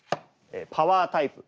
「パワータイプ」。